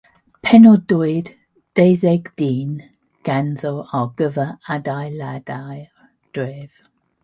Penodwyd deuddeg dyn ganddo ar gyfer adeiladu'r dref.